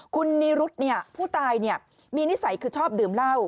คุณนิรุธผู้ตายมีนิสัยคือชอบดื่มเหล้า